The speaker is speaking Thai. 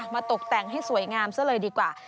ตกแต่งให้สวยงามซะเลยดีกว่า